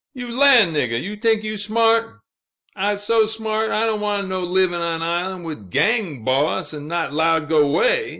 "You lan' niggah, you tink you smart!" "I'se so smart, I done want no liv'n' on island, wi' gang boss, 'n not 'lowed go 'way!"